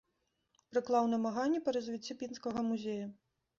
Прыклаў намаганні па развіцці пінскага музея.